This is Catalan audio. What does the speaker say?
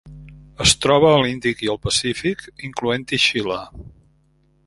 Es troba a l'Índic i el Pacífic, incloent-hi Xile.